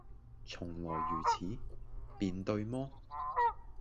「從來如此，便對麼？」